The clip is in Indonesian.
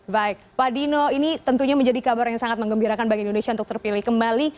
baik pak dino ini tentunya menjadi kabar yang sangat mengembirakan bagi indonesia untuk terpilih kembali